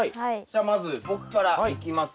じゃあまず僕からいきますね。